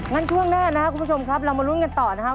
ช่วงหน้านะครับคุณผู้ชมครับเรามาลุ้นกันต่อนะครับ